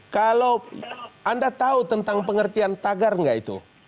kalau anda tahu tentang pengertian tagar nggak itu